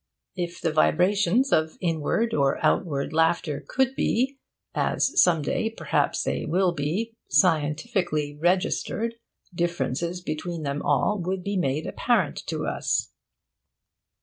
If the vibrations of inward or outward laughter could be (as some day, perhaps, they will be) scientifically registered, differences between them all would be made apparent to us.